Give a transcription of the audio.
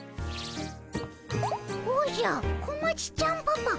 おじゃ小町ちゃんパパ